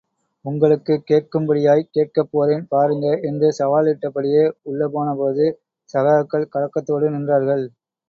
உங்களுக்குக் கேட்கும்படியாய் கேட்கப்போறேன் பாருங்க.. என்று சவாலிட்டபடியே உள்ளே போனபோது, சகாக்கள் கலக்கத்தோடு நின்றார்கள்.